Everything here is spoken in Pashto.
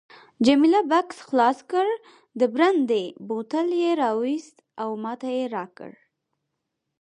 جميله بکس خلاص کړ، د برانډي بوتل یې راوایست او ماته یې راکړ.